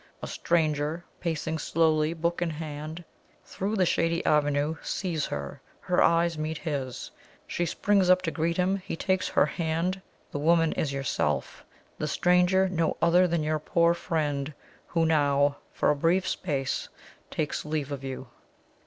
A stranger, pacing slowly, book in hand, through the shady avenue, sees her her eyes meet his. She springs up to greet him; he takes her hand. The woman is yourself; the stranger no other than your poor friend, who now, for a brief space, takes leave of you!"